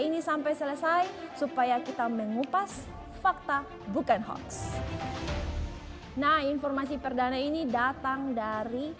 ini sampai selesai supaya kita mengupas fakta bukan hoax nah informasi perdana ini datang dari